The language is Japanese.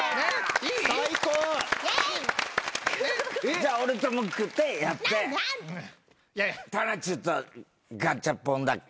じゃあ俺とムックでやってたなチューとガチャポンだっけ。